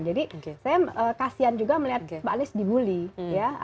jadi saya kasian juga melihat mbak anies dibully ya